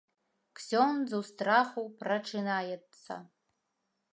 Ксёндз у страху прачынаецца.